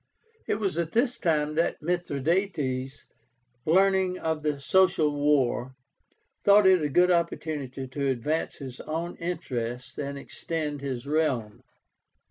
It was at this time that Mithradátes, learning of the Social War, thought it a good opportunity to advance his own interests and extend his realm.